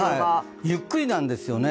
ゆっくりなんですよね。